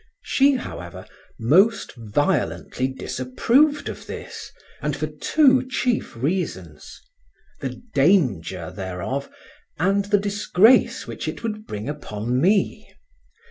She, however, most violently disapproved of this, and for two chief reasons: the danger thereof, and the disgrace which it would bring upon me.